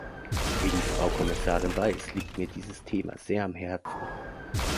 Wie die Frau Kommissarin weiß, liegt mir dieses Thema sehr am Herzen.